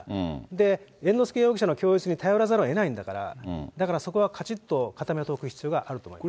で、猿之助容疑者の供述に頼らざるをえないんだから、だからそこはかちっと固めておく必要があると思います。